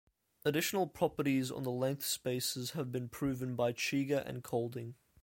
Additional properties on the length spaces have been proven by Cheeger and Colding.